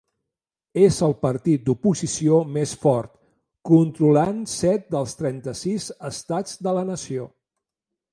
És el partit d'oposició més fort, controlant set dels trenta-sis estats de la nació.